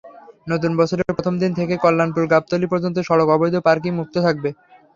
নতুন বছরের প্রথম দিন থেকেই কল্যাণপুর-গাবতলী পর্যন্ত সড়ক অবৈধ পার্কিং মুক্ত থাকবে।